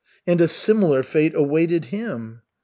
And a similar fate awaited him.